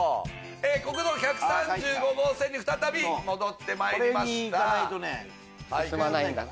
国道１３５号線に再び戻ってまいりました。